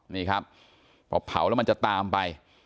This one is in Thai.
นี่ครับพอเผาแล้วมันจะตามไป